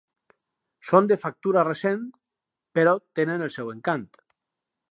Són de factura recent però tenen el seu encant.